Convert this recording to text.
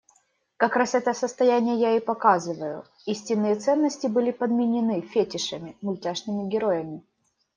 Как раз это состояние я и показываю, истинные ценности были подменены фетишами, мультяшными героями.